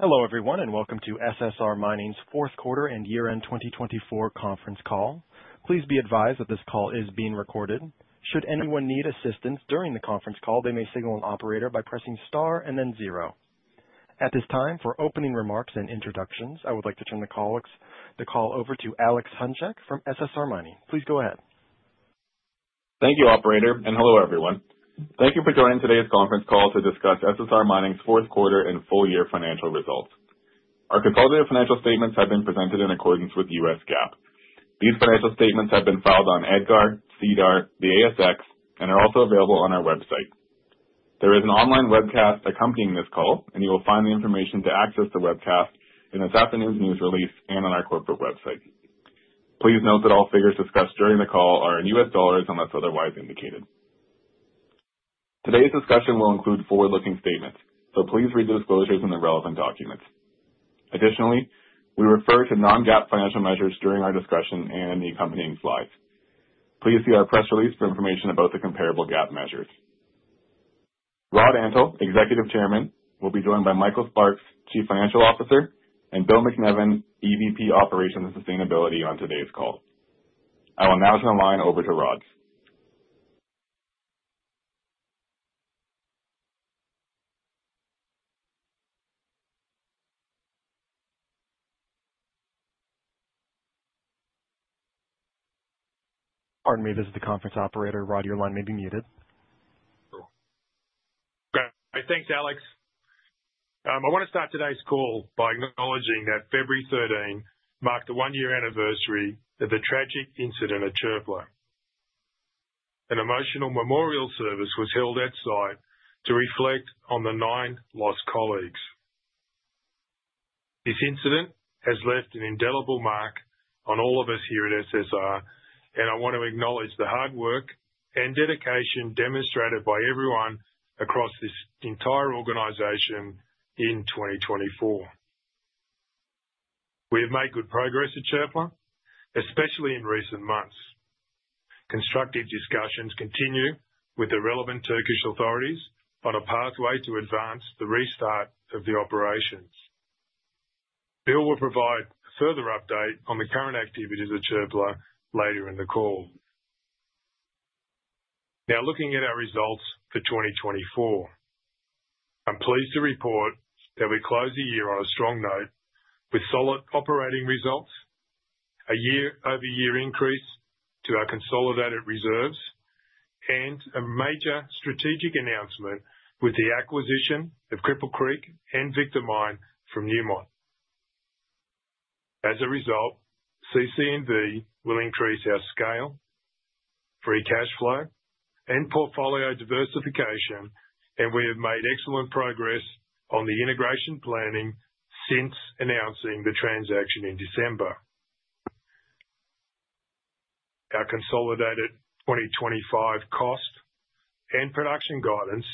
Hello everyone and welcome to SSR Mining's fourth quarter and year-end 2024 conference call. Please be advised that this call is being recorded. Should anyone need assistance during the conference call, they may signal an operator by pressing star and then zero. At this time, for opening remarks and introductions, I would like to turn the call over to Alex Hunchak from SSR Mining. Please go ahead. Thank you, Operator, and hello everyone. Thank you for joining today's conference call to discuss SSR Mining's fourth quarter and full-year financial results. Our consolidated financial statements have been presented in accordance with U.S. GAAP. These financial statements have been filed on EDGAR, SEDAR, the ASX, and are also available on our website. There is an online webcast accompanying this call, and you will find the information to access the webcast in this afternoon's news release and on our corporate website. Please note that all figures discussed during the call are in U.S. dollars unless otherwise indicated. Today's discussion will include forward-looking statements, so please read the disclosures and the relevant documents. Additionally, we refer to non-GAAP financial measures during our discussion and in the accompanying slides. Please see our press release for information about the comparable GAAP measures. Rod Antal, Executive Chairman, will be joined by Michael Sparks, Chief Financial Officer, and Bill MacNevin, EVP Operations and Sustainability, on today's call. I will now turn the line over to Rod. Pardon me, this is the conference operator. Rod, your line may be muted. Okay, thanks Alex. I want to start today's call by acknowledging that February 13 marked the one-year anniversary of the tragic incident at Çöpler. An emotional memorial service was held at site to reflect on the nine lost colleagues. This incident has left an indelible mark on all of us here at SSR, and I want to acknowledge the hardwork and dedication demonstrated by everyone across this entire organization in 2024. We have made good progress at Çöpler, especially in recent months. Constructive discussions continue with the relevant Turkish authorities on a pathway to advance the restart of the operations. Bill will provide further update on the current activities at Çöpler later in the call. Now, looking at our results for 2024, I'm pleased to report that we close the year on a strong note with solid operating results, a year-over-year increase to our consolidated reserves, and a major strategic announcement with the acquisition of Cripple Creek & Victor mine from Newmont. As a result, CC&V will increase our scale, free cash flow, and portfolio diversification, and we have made excellent progress on the integration planning since announcing the transaction in December. Our consolidated 2025 cost and production guidance,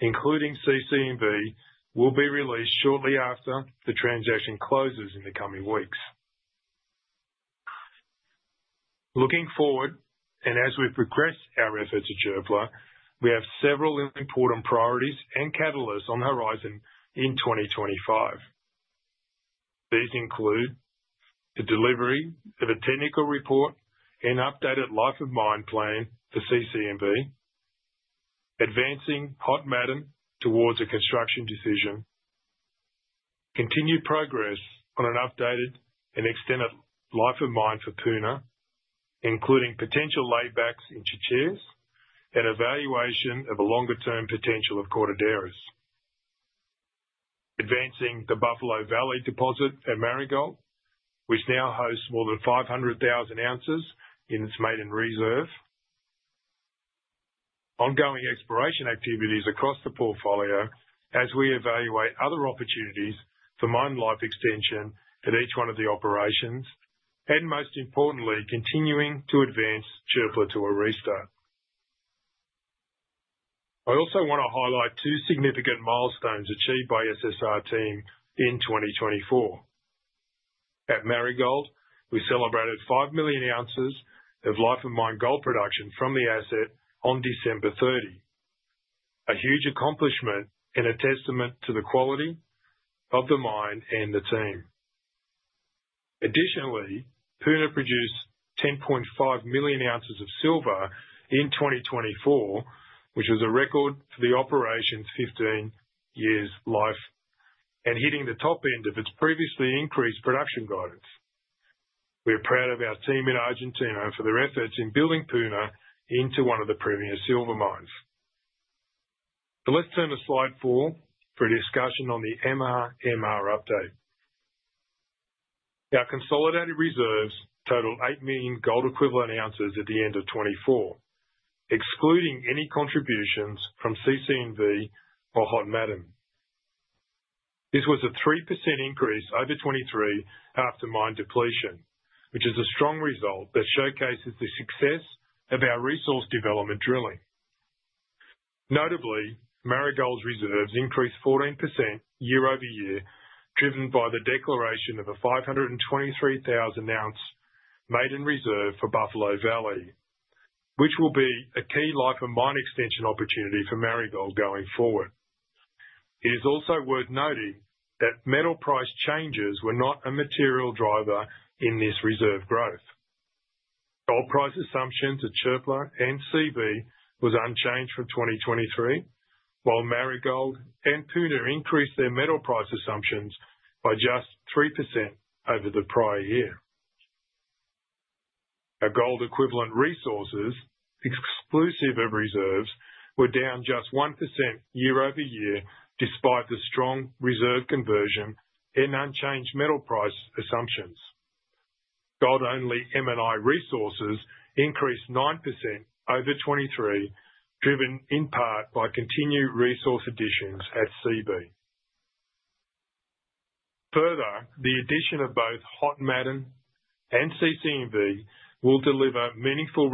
including CC&V, will be released shortly after the transaction closes in the coming weeks. Looking forward, and as we progress our efforts at Çöpler, we have several important priorities and catalysts on the horizon in 2025. These include the delivery of a technical report and updated life of mine plan for CC&V, advancing Hod Maden towards a construction decision, continued progress on an updated and extended life of mine for Puna, including potential laybacks in Chinchillas, and evaluation of a longer-term potential of Cortaderas, advancing the Buffalo Valley deposit at Marigold, which now hosts more than 500,000 oz in its maiden reserve, ongoing exploration activities across the portfolio as we evaluate other opportunities for mine life extension at each one of the operations, and most importantly, continuing to advance Çöpler to a restart. I also want to highlight two significant milestones achieved by SSR team in 2024. At Marigold, we celebrated 5 million oz of life of mine gold production from the asset on December 30, a huge accomplishment and a testament to the quality of the mine and the team. Additionally, Puna produced 10.5 million oz of silver in 2024, which was a record for the operations 15 years' life and hitting the top end of its previously increased production guidance. We are proud of our team in Argentina for their efforts in building Puna into one of the premier silver mines. So let's turn the slide forward for a discussion on the MRMR update. Our consolidated reserves total eight million gold equivalent ounces at the end of 2024, excluding any contributions from CC&V or Hod Maden. This was a 3% increase over 2023 after mine depletion, which is a strong result that showcases the success of our resource development drilling. Notably, Marigold reserves increased 14% year-over-year, driven by the declaration of a 523,000 oz maiden reserve for Buffalo Valley, which will be a key life of mine extension opportunity for Marigold going forward. It is also worth noting that metal price changes were not a material driver in this reserve growth. Gold price assumptions at Çöpler and Seabee were unchanged from 2023, while Marigold and Puna increased their metal price assumptions by just 3% over the prior year. Our gold equivalent resources, exclusive of reserves, were down just 1% year-over-year despite the strong reserve conversion and unchanged metal price assumptions. Gold-only M&I resources increased 9% over 2023, driven in part by continued resource additions at Seabee. Further, the addition of both Hod Maden and CC&V will deliver meaningful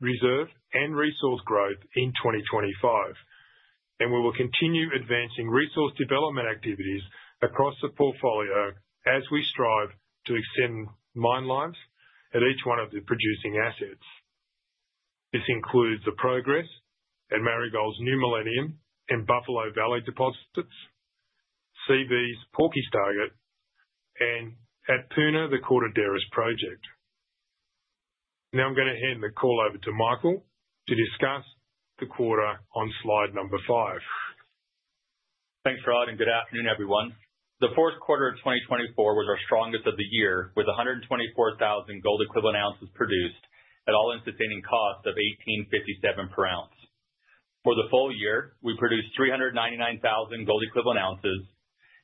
reserve and resource growth in 2025, and we will continue advancing resource development activities across the portfolio as we strive to extend mine lives at each one of the producing assets. This includes the progress at Marigold's New Millennium and Buffalo Valley deposits, Seabee's Porky's target, and at Puna, the Cortaderas project. Now I'm going to hand the call over to Michael to discuss the quarter on slide number five. Thanks, Rod, and good afternoon, everyone. The fourth quarter of 2024 was our strongest of the year, with 124,000 gold equivalent ounces produced at all-in sustaining costs of $1,857 per ounce. For the full year, we produced 399,000 gold equivalent ounces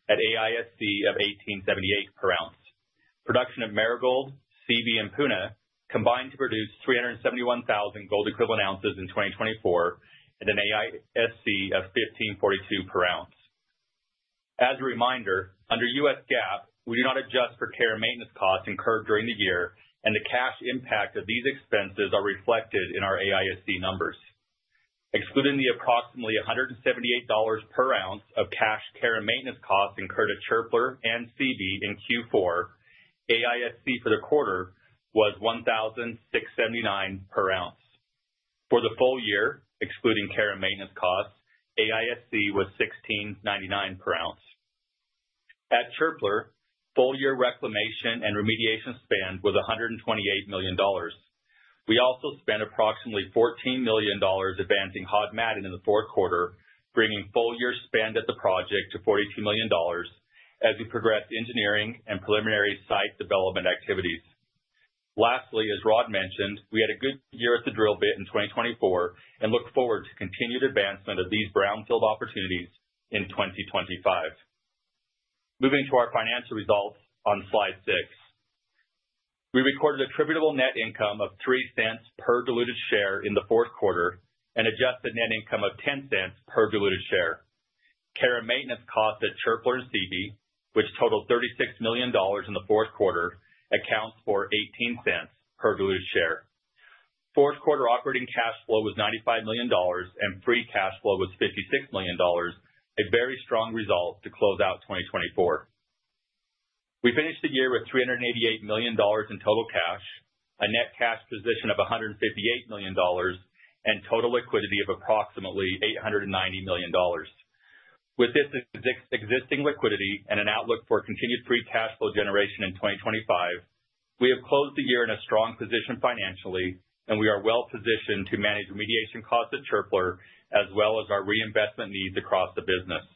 at AISC of $1,878 per ounce. Production of Marigold, Seabee, and Puna combined to produce 371,000 gold equivalent ounces in 2024 at an AISC of $1,542 per ounce. As a reminder, under U.S. GAAP, we do not adjust for care and maintenance costs incurred during the year, and the cash impact of these expenses are reflected in our AISC numbers. Excluding the approximately $178 per ounce of cash care and maintenance costs incurred at Çöpler and Seabee in Q4, AISC for the quarter was $1,679 per ounce. For the full year, excluding care and maintenance costs, AISC was $1,699 per ounce. At Çöpler, full year reclamation and remediation spend was $128 million. We also spent approximately $14 million advancing Hod Maden in the fourth quarter, bringing full year spend at the project to $42 million as we progressed engineering and preliminary site development activities. Lastly, as Rod mentioned, we had a good year at the drill bit in 2024 and look forward to continued advancement of these brownfield opportunities in 2025. Moving to our financial results on slide six, we recorded attributable net income of $0.03 per diluted share in the fourth quarter and adjusted net income of $0.10 per diluted share. Care and maintenance costs at Çöpler and Seabee, which totaled $36 million in the fourth quarter, accounts for $0.18 per diluted share. Fourth quarter operating cash flow was $95 million, and free cash flow was $56 million, a very strong result to close out 2024. We finished the year with $388 million in total cash, a net cash position of $158 million, and total liquidity of approximately $890 million. With this existing liquidity and an outlook for continued free cash flow generation in 2025, we have closed the year in a strong position financially, and we are well positioned to manage remediation costs at Çöpler as well as our reinvestment needs across the business.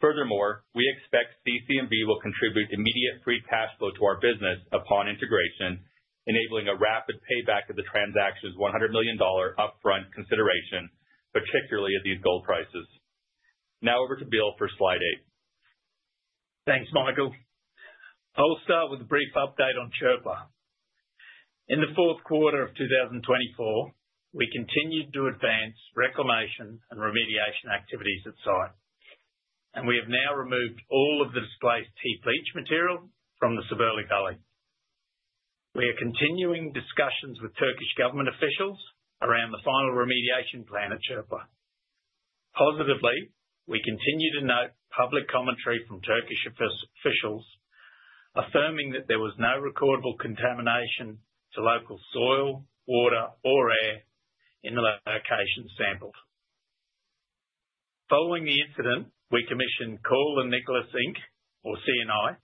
Furthermore, we expect CC&V will contribute immediate free cash flow to our business upon integration, enabling a rapid payback of the transaction's $100 million upfront consideration, particularly at these gold prices. Now over to Bill for slide eight. Thanks, Michael. I'll start with a brief update on Çöpler. In the fourth quarter of 2024, we continued to advance reclamation and remediation activities at site, and we have now removed all of the displaced heap leach material from the Sabırlı Valley. We are continuing discussions with Turkish government officials around the final remediation plan at Çöpler. Positively, we continue to note public commentary from Turkish officials, affirming that there was no recordable contamination to local soil, water, or air in the location sampled. Following the incident, we commissioned Call & Nicholas, Inc., or CNI,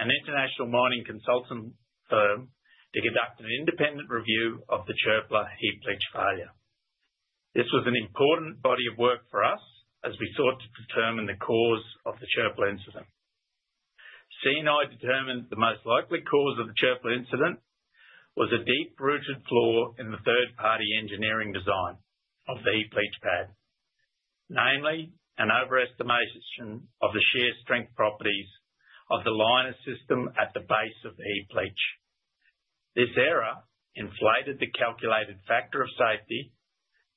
an international mining consultant firm, to conduct an independent review of the Çöpler heap leach failure. This was an important body of work for us as we sought to determine the cause of the Çöpler incident. CNI determined the most likely cause of the Çöpler incident was a deep-rooted flaw in the third-party engineering design of the heap leach pad, namely an overestimation of the shear strength properties of the liner system at the base of the heap leach. This error inflated the calculated factor of safety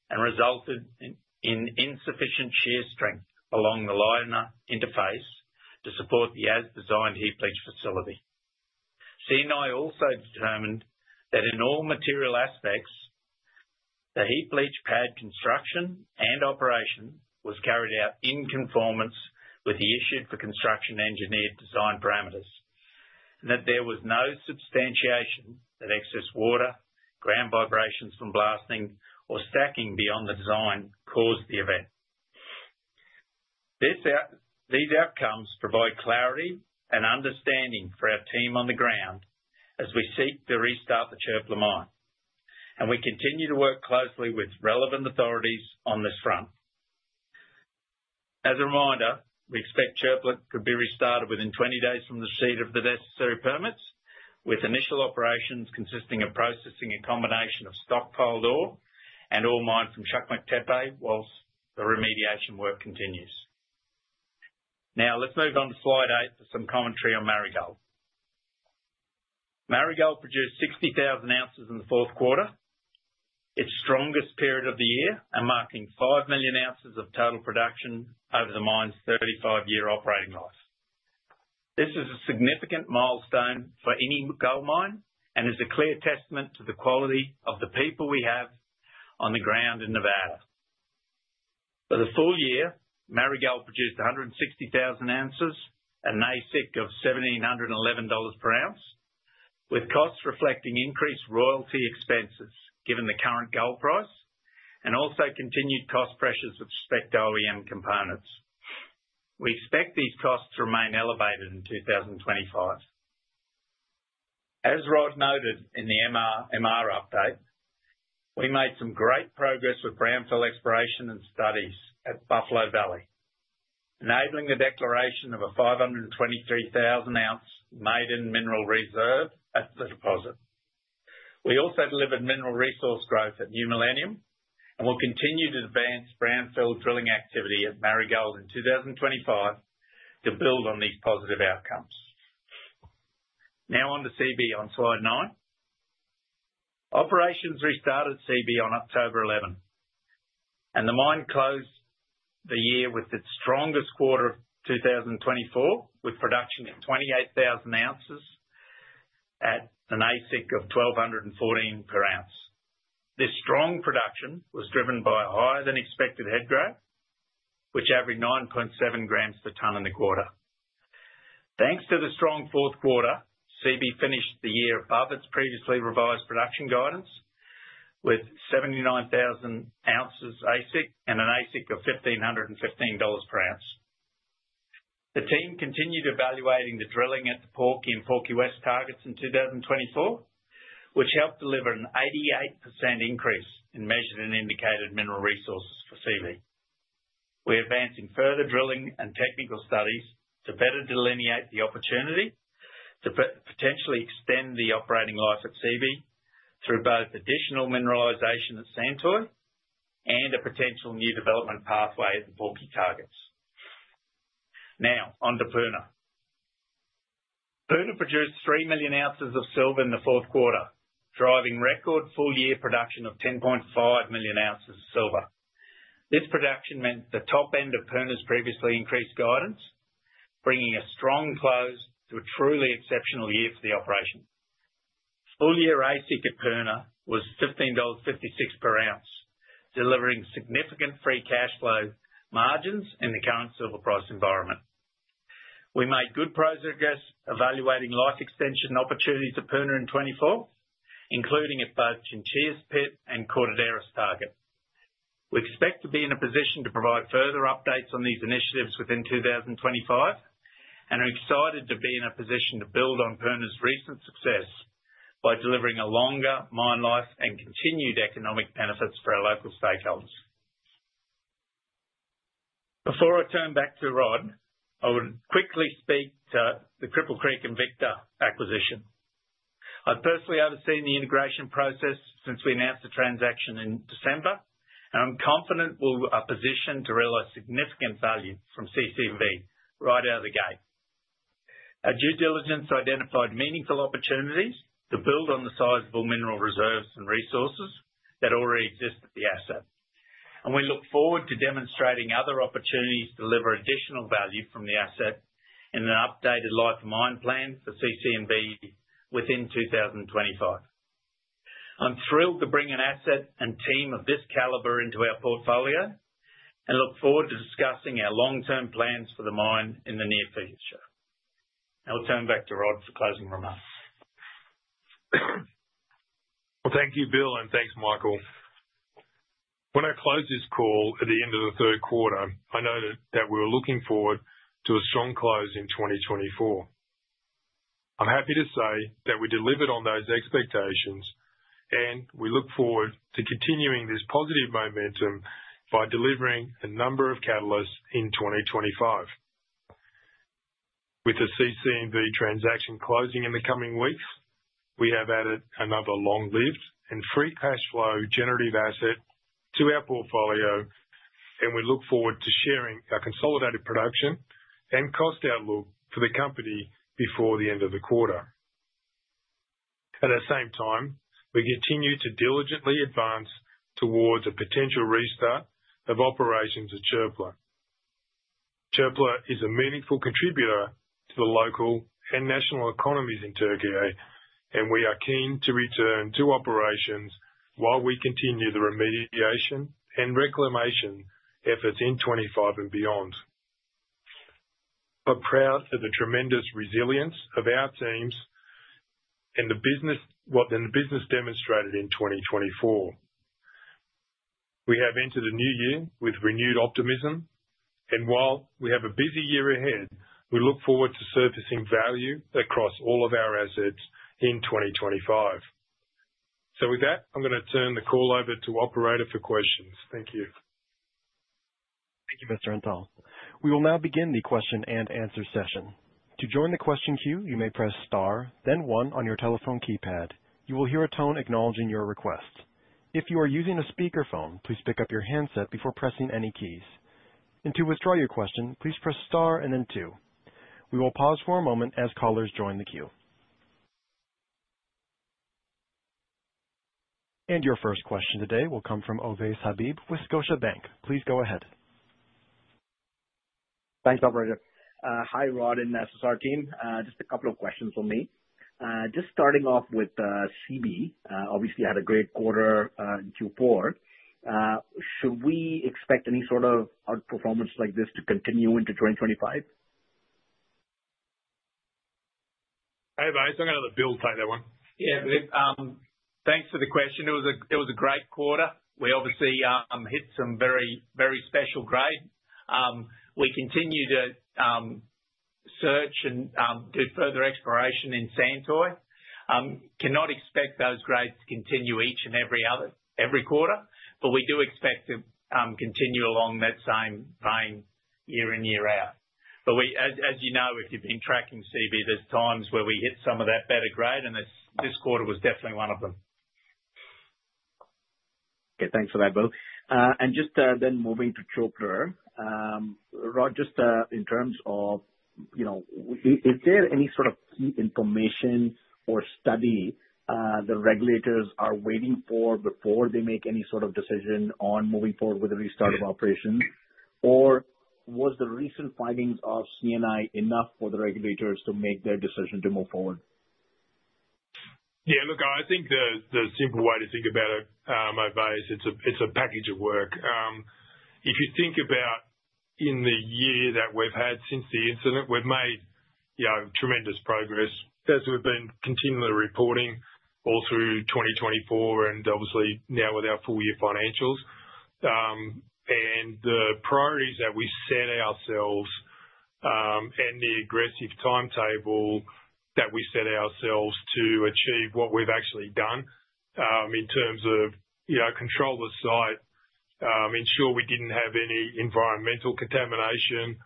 and resulted in insufficient shear strength along the liner interface to support the as-designed heap leach facility. CNI also determined that in all material aspects, the heap leach pad construction and operation was carried out in conformance with the issued for construction engineered design parameters and that there was no substantiation that excess water, ground vibrations from blasting, or stacking beyond the design caused the event. These outcomes provide clarity and understanding for our team on the ground as we seek to restart the Çöpler mine, and we continue to work closely with relevant authorities on this front. As a reminder, we expect Çöpler to be restarted within 20 days from the receipt of the necessary permits, with initial operations consisting of processing a combination of stockpile doré and ore mined from Çakmaktepe while the remediation work continues. Now let's move on to slide eight for some commentary on Marigold. Marigold produced 60,000 oz in the fourth quarter, its strongest period of the year, and marking 5 million oz of total production over the mine's 35-year operating life. This is a significant milestone for any gold mine and is a clear testament to the quality of the people we have on the ground in Nevada. For the full year, Marigold produced 160,000 oz, an AISC of $1,711 per ounce, with costs reflecting increased royalty expenses given the current gold price and also continued cost pressures with respect to OEM components. We expect these costs to remain elevated in 2025. As Rod noted in the MRMR update, we made some great progress with brownfield exploration and studies at Buffalo Valley, enabling the declaration of a 523,000 oz maiden mineral reserve at the deposit. We also delivered mineral resource growth at New Millennium and will continue to advance brownfield drilling activity at Marigold in 2025 to build on these positive outcomes. Now on to Seabee on slide nine. Operations restarted Seabee on October 11, and the mine closed the year with its strongest quarter of 2024, with production at 28,000 oz at an AISC of $1,214 per ounce. This strong production was driven by a higher-than-expected head grade, which averaged 9.7 g per ton in the quarter. Thanks to the strong fourth quarter, Seabee finished the year above its previously revised production guidance with 79,000 oz AISC and an AISC of $1,515 per ounce. The team continued evaluating the drilling at the Porky's and Porky's West targets in 2024, which helped deliver an 88% increase in measured and indicated mineral resources for Seabee. We are advancing further drilling and technical studies to better delineate the opportunity to potentially extend the operating life at Seabee through both additional mineralization at Santoy and a potential new development pathway at the Porky's targets. Now on to Puna. Puna produced 3 million oz of silver in the fourth quarter, driving record full year production of 10.5 million oz of silver. This production met the top end of Puna's previously increased guidance, bringing a strong close to a truly exceptional year for the operation. Full year AISC at Puna was $15.56 per ounce, delivering significant free cash flow margins in the current silver price environment. We made good progress evaluating life extension opportunities at Puna in 2024, including at both Chinchillas pit and Cortaderas target. We expect to be in a position to provide further updates on these initiatives within 2025 and are excited to be in a position to build on Puna's recent success by delivering a longer mine life and continued economic benefits for our local stakeholders. Before I turn back to Rod, I will quickly speak to the Cripple Creek & Victor acquisition. I've personally overseen the integration process since we announced the transaction in December, and I'm confident we're positioned to realize significant value from CC&V right out of the gate. Our due diligence identified meaningful opportunities to build on the sizable mineral reserves and resources that already exist at the asset, and we look forward to demonstrating other opportunities to deliver additional value from the asset in an updated life of mine plan for CC&V within 2025. I'm thrilled to bring an asset and team of this caliber into our portfolio and look forward to discussing our long-term plans for the mine in the near future. I'll turn back to Rod for closing remarks. Thank you, Bill, and thanks, Michael. When I close this call at the end of the third quarter, I noted that we were looking forward to a strong close in 2024. I'm happy to say that we delivered on those expectations, and we look forward to continuing this positive momentum by delivering a number of catalysts in 2025. With the CC&V transaction closing in the coming weeks, we have added another long-lived and free cash flow generative asset to our portfolio, and we look forward to sharing our consolidated production and cost outlook for the company before the end of the quarter. At the same time, we continue to diligently advance towards a potential restart of operations at Çöpler. Çöpler is a meaningful contributor to the local and national economies in Türkiye, and we are keen to return to operations while we continue the remediation and reclamation efforts in 2025 and beyond. We're proud of the tremendous resilience of our teams and the business, what the business demonstrated in 2024. We have entered a new year with renewed optimism, and while we have a busy year ahead, we look forward to surfacing value across all of our assets in 2025. So with that, I'm going to turn the call over to Operator for questions. Thank you. Thank you, Mr. Antal. We will now begin the question-and-answer session. To join the question queue, you may press star, then one on your telephone keypad. You will hear a tone acknowledging your request. If you are using a speakerphone, please pick up your handset before pressing any keys. And to withdraw your question, please press star and then two. We will pause for a moment as callers join the queue. And your first question today will come from Ovais Habib with Scotiabank. Please go ahead. Thanks, Operator. Hi, Rod and the SSR team. Just a couple of questions from me. Just starting off with Seabee, obviously had a great quarter in Q4. Should we expect any sort of outperformance like this to continue into 2025? Hey, Ovais, I've got another. Bill, take that one. Yeah, thanks for the question. It was a great quarter. We obviously hit some very, very special grade. We continue to search and do further exploration in Santoy. Cannot expect those grades to continue each and every quarter, but we do expect to continue along that same vein year in, year out. But as you know, if you've been tracking Seabee, there's times where we hit some of that better grade, and this quarter was definitely one of them. Okay, thanks for that, Bill. And just then moving to Çöpler, Rod, just in terms of, is there any sort of key information or study the regulators are waiting for before they make any sort of decision on moving forward with the restart of operations? Or was the recent findings of CNI enough for the regulators to make their decision to move forward? Yeah, look, I think the simple way to think about it, Ovais, it's a package of work. If you think about in the year that we've had since the incident, we've made tremendous progress as we've been continually reporting all through 2024 and obviously now with our full year financials. And the priorities that we set ourselves and the aggressive timetable that we set ourselves to achieve what we've actually done in terms of control the site, ensure we didn't have any environmental contamination,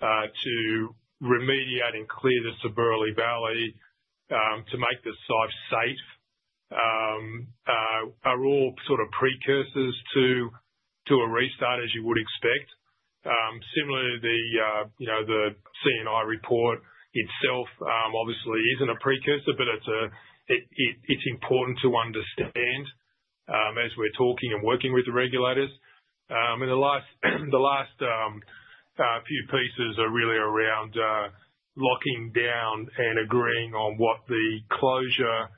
to remediate and clear the Sabırlı Valley, to make the site safe, are all sort of precursors to a restart, as you would expect. Similarly, the CNI report itself obviously isn't a precursor, but it's important to understand as we're talking and working with the regulators. And the last few pieces are really around locking down and agreeing on what the closure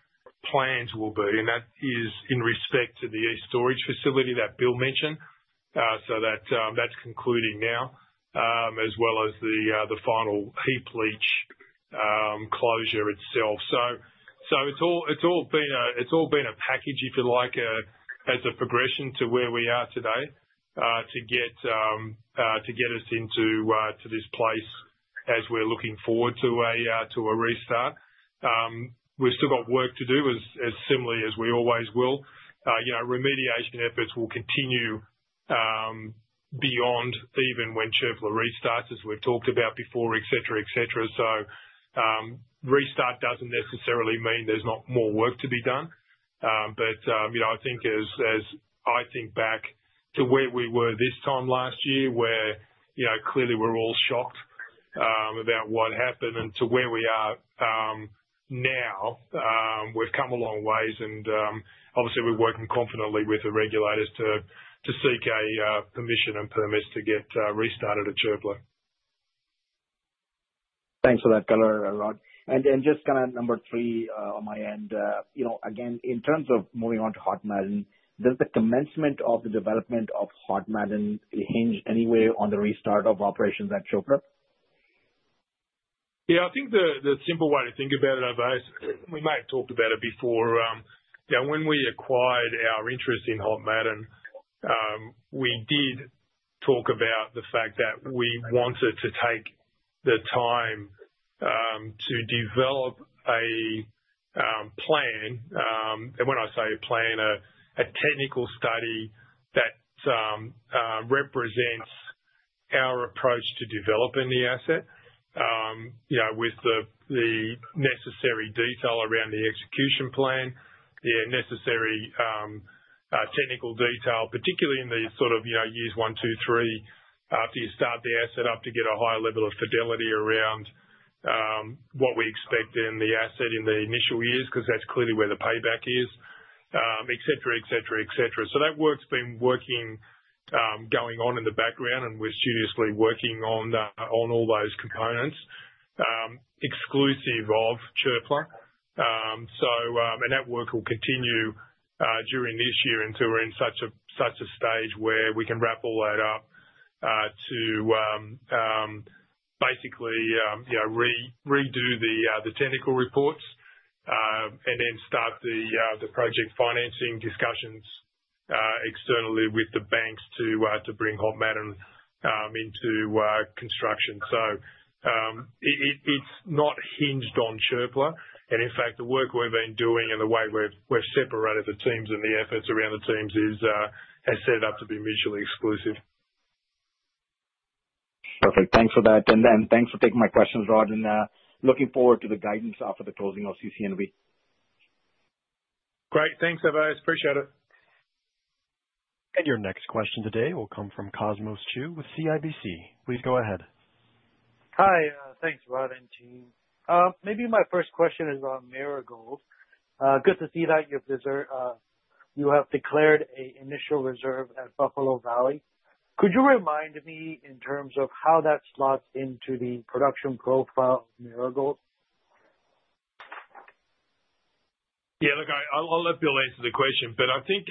plans will be, and that is in respect to the storage facility that Bill mentioned. So that's concluding now, as well as the final heap leach closure itself. So it's all been a package, if you like, as a progression to where we are today to get us into this place as we're looking forward to a restart. We've still got work to do, as similarly as we always will. Remediation efforts will continue beyond even when Çöpler restarts, as we've talked about before, etc., etc. So restart doesn't necessarily mean there's not more work to be done. But I think as I think back to where we were this time last year, where clearly we're all shocked about what happened and to where we are now, we've come a long ways, and obviously we're working confidently with the regulators to seek a permission and permits to get restarted at Çöpler. Thanks for that, color, Rod. And then just kind of number three on my end, again, in terms of moving on to Hod Maden, does the commencement of the development of Hod Maden hinge anyway on the restart of operations at Çöpler? Yeah, I think the simple way to think about it, Ovais, we may have talked about it before. When we acquired our interest in Hod Maden, we did talk about the fact that we wanted to take the time to develop a plan, and when I say a plan, a technical study that represents our approach to developing the asset with the necessary detail around the execution plan, the necessary technical detail, particularly in the sort of years one, two, three after you start the asset up to get a higher level of fidelity around what we expect in the asset in the initial years, because that's clearly where the payback is, etc., etc., etc. So that work's been going on in the background, and we're seriously working on all those components exclusive of Çöpler and that work will continue during this year until we're in such a stage where we can wrap all that up to basically redo the technical reports and then start the project financing discussions externally with the banks to bring Hod Maden into construction. It's not hinged on Çöpler and in fact, the work we've been doing and the way we've separated the teams and the efforts around the teams is set up to be mutually exclusive. Perfect. Thanks for that. And thanks for taking my questions, Rod, and looking forward to the guidance after the closing of CC&V. Great. Thanks, Ovais. Appreciate it. Your next question today will come from Cosmos Chiu with CIBC. Please go ahead. Hi, thanks, Rod and team. Maybe my first question is on Marigold. Good to see that you have declared an initial reserve at Buffalo Valley. Could you remind me in terms of how that slots into the production profile of Marigold? Yeah, look, I'll let Bill answer the question, but I think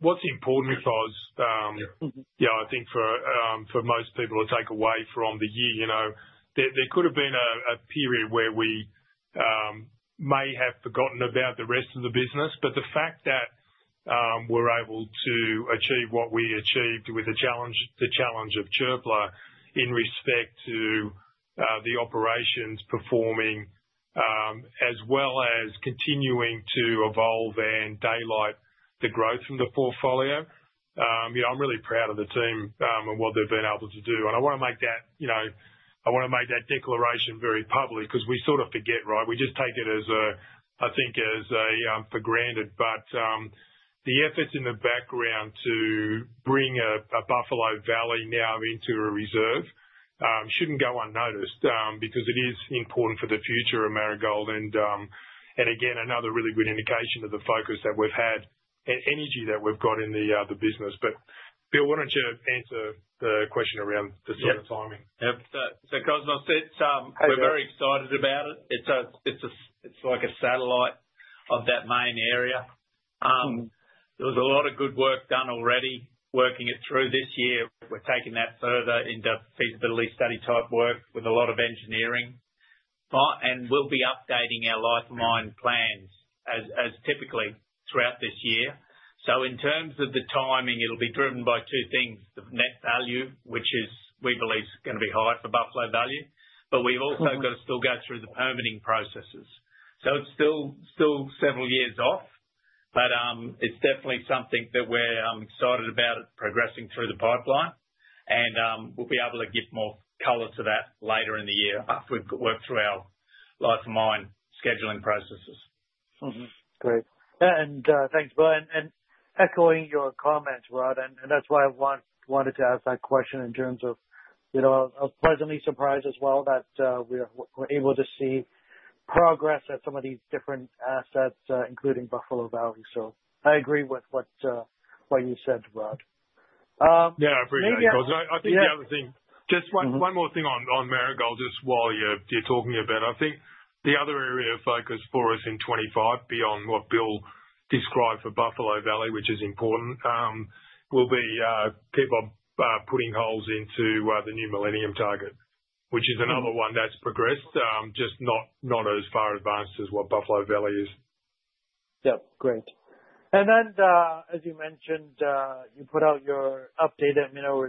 what's important for us. Yeah, I think for most people to take away from the year, there could have been a period where we may have forgotten about the rest of the business, but the fact that we're able to achieve what we achieved with the challenge of Çöpler in respect to the operations performing as well as continuing to evolve and daylight the growth from the portfolio. I'm really proud of the team and what they've been able to do. And I want to make that declaration very public because we sort of forget, right? We just take it, I think, for granted. But the efforts in the background to bring a Buffalo Valley now into a reserve shouldn't go unnoticed because it is important for the future of Marigold and again, another really good indication of the focus that we've had and energy that we've got in the business. But Bill, why don't you answer the question around the sort of timing? Yeah, so Cosmos said we're very excited about it. It's like a satellite of that main area. There was a lot of good work done already working it through this year. We're taking that further into feasibility study type work with a lot of engineering. And we'll be updating our life of mine plans as typically throughout this year. So in terms of the timing, it'll be driven by two things. The net value, which we believe is going to be high for Buffalo Valley, but we've also got to still go through the permitting processes. So it's still several years off, but it's definitely something that we're excited about progressing through the pipeline. And we'll be able to give more color to that later in the year after we've worked through our life of mine scheduling processes. Great. And thanks, Bill. And echoing your comments, Rod, and that's why I wanted to ask that question in terms of I was pleasantly surprised as well that we were able to see progress at some of these different assets, including Buffalo Valley. So I agree with what you said, Rod. Yeah, I appreciate it, Cosmos. I think the other thing, just one more thing on Marigold just while you're talking about it. I think the other area of focus for us in 2025, beyond what Bill described for Buffalo Valley, which is important, will be people putting holes into the New Millennium target, which is another one that's progressed, just not as far advanced as what Buffalo Valley is. Yep, great. And then as you mentioned, you put out your updated mineral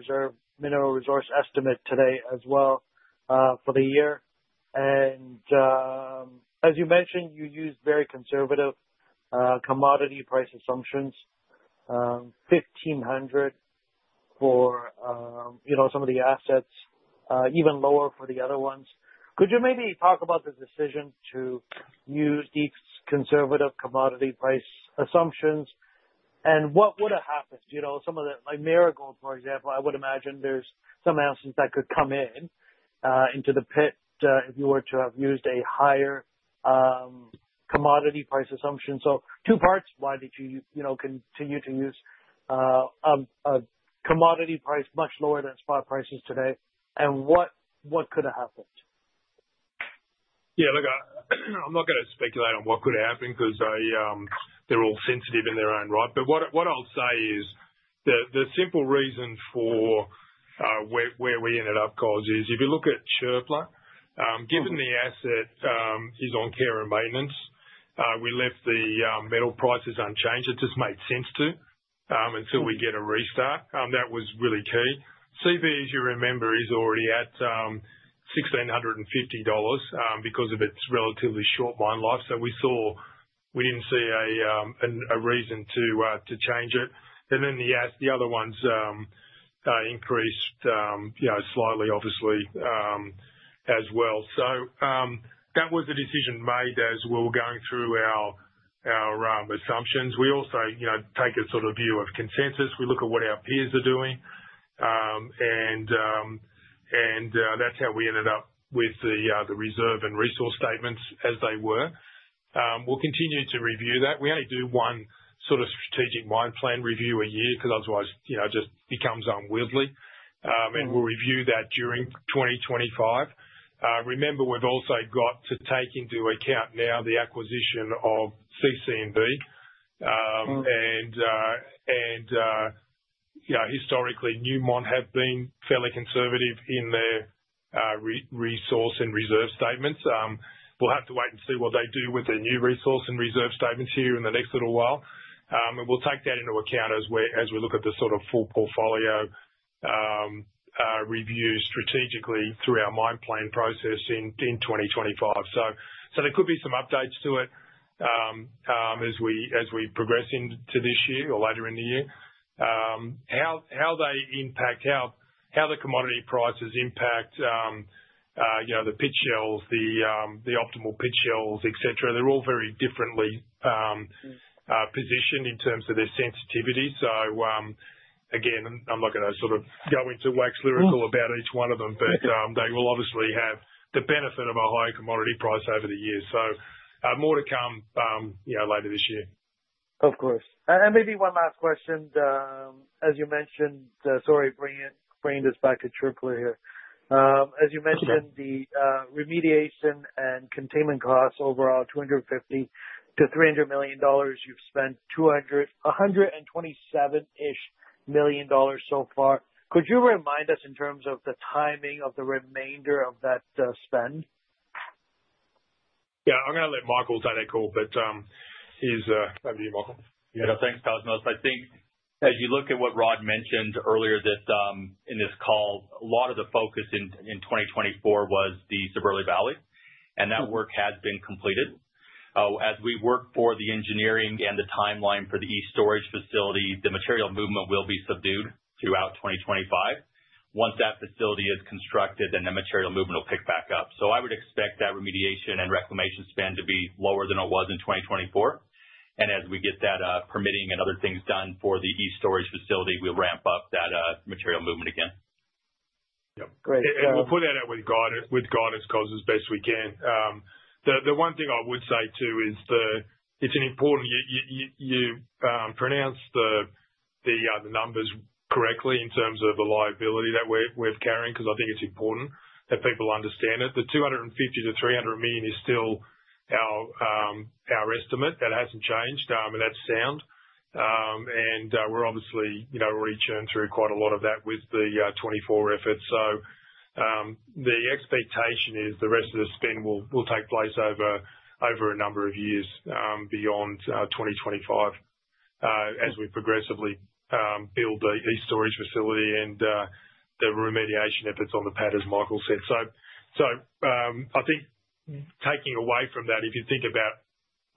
resource estimate today as well for the year. And as you mentioned, you used very conservative commodity price assumptions, $1,500 for some of the assets, even lower for the other ones. Could you maybe talk about the decision to use these conservative commodity price assumptions and what would have happened? Some of the like Marigold, for example, I would imagine there's some assets that could come in into the pit if you were to have used a higher commodity price assumption. So two parts, why did you continue to use a commodity price much lower than spot prices today and what could have happened? Yeah, look, I'm not going to speculate on what could have happened because they're all sensitive in their own right. But what I'll say is the simple reason for where we ended up, Cosmos, is if you look at Çöpler given the asset is on care and maintenance, we left the metal prices unchanged. It just made sense to until we get a restart. That was really key. Seabee, as you remember, is already at $1,650 because of its relatively short mine life. So we didn't see a reason to change it. And then the other ones increased slightly, obviously, as well. So that was a decision made as we were going through our assumptions. We also take a sort of view of consensus. We look at what our peers are doing. And that's how we ended up with the reserve and resource statements as they were. We'll continue to review that. We only do one sort of strategic mine plan review a year because otherwise it just becomes unwieldy. And we'll review that during 2025. Remember, we've also got to take into account now the acquisition of CC&V. And historically, Newmont have been fairly conservative in their resource and reserve statements. We'll have to wait and see what they do with their new resource and reserve statements here in the next little while. And we'll take that into account as we look at the sort of full portfolio review strategically through our mine plan process in 2025. So there could be some updates to it as we progress into this year or later in the year. How they impact, how the commodity prices impact the pit shells, the optimal pit shells, etc., they're all very differently positioned in terms of their sensitivity. So again, I'm not going to sort of go into wax lyrical about each one of them, but they will obviously have the benefit of a higher commodity price over the years. So more to come later this year. Of course. And maybe one last question, as you mentioned, sorry, bringing this back to Çöpler here. As you mentioned, the remediation and containment costs overall, $250-$300 million. You've spent $127-ish million so far. Could you remind us in terms of the timing of the remainder of that spend? Yeah, I'm going to let Michael take it, but it's over to you, Michael. Yeah, thanks, Cosmos. I think as you look at what Rod mentioned earlier in this call, a lot of the focus in 2024 was the Sabırlı Valley, and that work has been completed. As we work for the engineering and the timeline for the East Storage Facility, the material movement will be subdued throughout 2025. Once that facility is constructed, then the material movement will pick back up. So I would expect that remediation and reclamation spend to be lower than it was in 2024. And as we get that permitting and other things done for the East Storage Facility, we'll ramp up that material movement again. Yeah, we'll put that out with guidance, Cosmos, best we can. The one thing I would say too is it's important. You pronounced the numbers correctly in terms of the liability that we're carrying because I think it's important that people understand it. The $250-$300 million is still our estimate. That hasn't changed, and that's sound. And we're obviously already churned through quite a lot of that with the 2024 effort. So the expectation is the rest of the spend will take place over a number of years beyond 2025 as we progressively build the East Storage Facility and the remediation efforts on the pad, as Michael said. So I think taking away from that, if you think about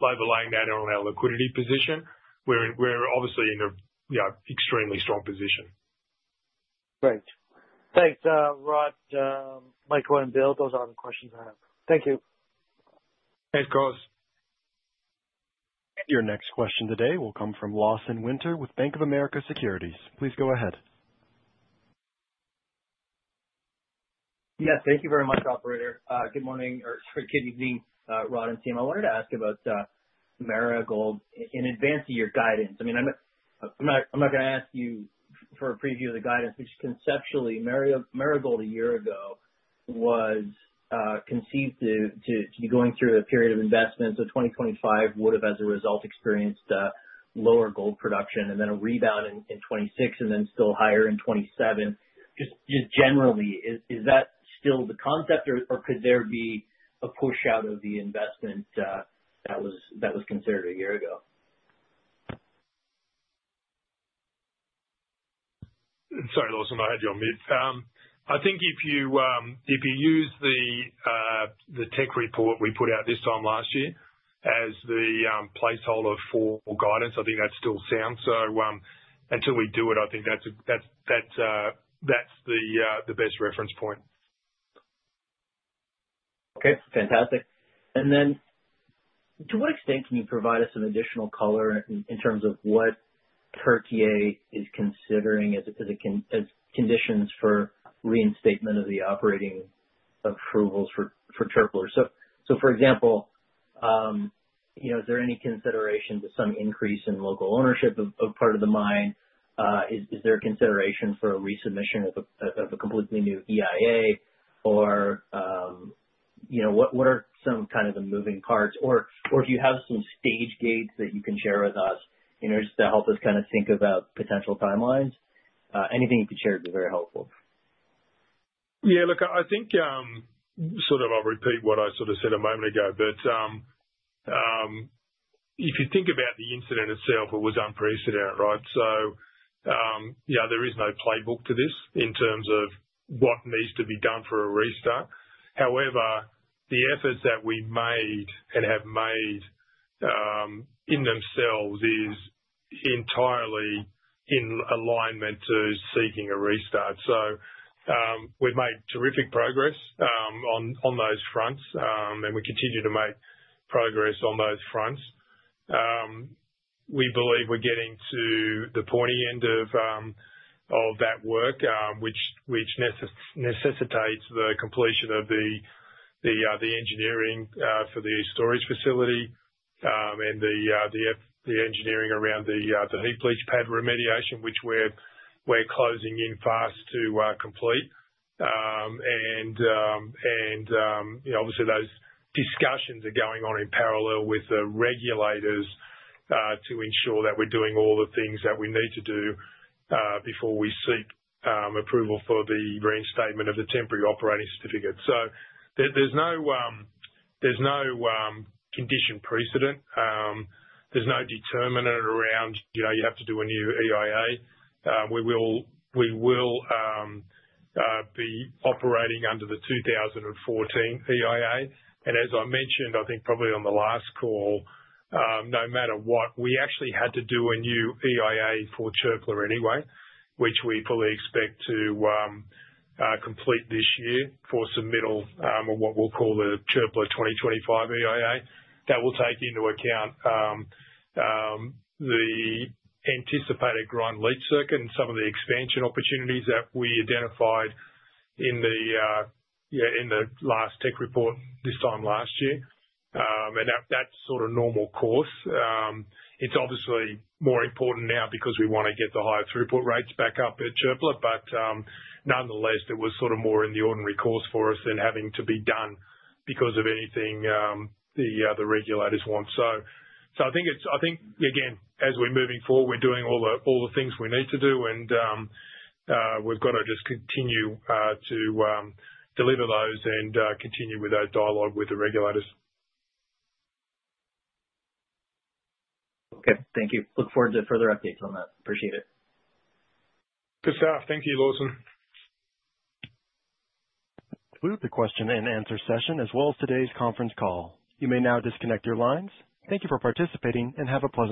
overlaying that on our liquidity position, we're obviously in an extremely strong position. Great. Thanks, Rod, Michael, and Bill. Those are all the questions I have. Thank you. Thanks, Cosmos. Your next question today will come from Lawson Winder with Bank of America Securities. Please go ahead. Yes, thank you very much, Operator. Good morning or good evening, Rod and team. I wanted to ask about Marigold in advance of your guidance. I mean, I'm not going to ask you for a preview of the guidance, but just conceptually, Marigold a year ago was conceived to be going through a period of investments. So 2025 would have, as a result, experienced lower gold production and then a rebound in 2026 and then still higher in 2027. Just generally, is that still the concept or could there be a push out of the investment that was considered a year ago? Sorry, Lawson, I had you on mute. I think if you use the tech report we put out this time last year as the placeholder for guidance, I think that still sounds. So until we do it, I think that's the best reference point. Okay, fantastic. And then to what extent can you provide us some additional color in terms of what Türkiye is considering as conditions for reinstatement of the operating approvals for Çöpler? So for example, is there any consideration to some increase in local ownership of part of the mine? Is there a consideration for a resubmission of a completely new EIA? Or what are some kind of the moving parts? Or if you have some stage gates that you can share with us just to help us kind of think about potential timelines, anything you could share would be very helpful. Yeah, look, I think sort of I'll repeat what I sort of said a moment ago, but if you think about the incident itself, it was unprecedented, right? So there is no playbook to this in terms of what needs to be done for a restart. However, the efforts that we made and have made in themselves is entirely in alignment to seeking a restart. So we've made terrific progress on those fronts, and we continue to make progress on those fronts. We believe we're getting to the pointy end of that work, which necessitates the completion of the engineering for the East Storage Facility and the engineering around the heap leach pad remediation, which we're closing in fast to complete. Obviously, those discussions are going on in parallel with the regulators to ensure that we're doing all the things that we need to do before we seek approval for the reinstatement of the temporary operating certificate. So there's no condition precedent. There's no determinant around you have to do a new EIA. We will be operating under the 2014 EIA. And as I mentioned, I think probably on the last call, no matter what, we actually had to do a new EIA for Çöpler anyway, which we fully expect to complete this year for submittal of what we'll call the Çöpler 2025 EIA. That will take into account the anticipated gold leach circuit and some of the expansion opportunities that we identified in the last tech report this time last year. And that's sort of normal course. It's obviously more important now because we want to get the higher throughput rates back up at Çöpler, but nonetheless, it was sort of more in the ordinary course for us than having to be done because of anything the regulators want. So I think, again, as we're moving forward, we're doing all the things we need to do, and we've got to just continue to deliver those and continue with our dialogue with the regulators. Okay, thank you. Look forward to further updates on that. Appreciate it. Good stuff. Thank you, Lawson. Conclude the question-and-answer session as well as today's conference call. You may now disconnect your lines. Thank you for participating and have a pleasant.